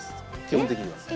基本的には。